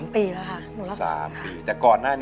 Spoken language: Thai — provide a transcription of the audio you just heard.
๓ปีแล้วค่ะ